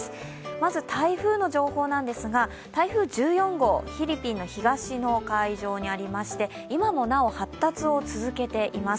まず台風の情報なんですが台風１４号、フィリピンの東の海上にありまして、今もなお発達を続けています。